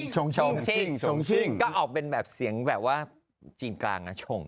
โชงชิ้งเขาก็ออกเป็นเสียงแบบว่าชีนกลางโชงชิ้ง